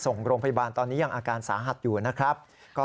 ส่งโรงพยาบาลตอนนี้ยังอาการสาหัสอยู่นะครับ